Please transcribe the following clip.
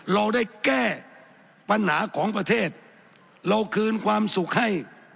เราได้แก้ปัญหาของประเทศเราคืนความสุขให้